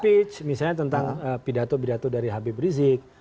speech misalnya tentang pidato pidato dari habib rizik